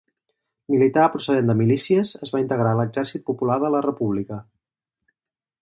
Militar procedent de milícies, es va integrar a l'Exèrcit Popular de la República.